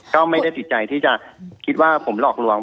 ก็ไม่ได้ติดใจที่จะคิดว่าผมหลอกลวง